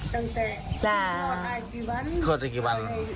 เรียงลูกตั้งแต่ครบได้กี่วัน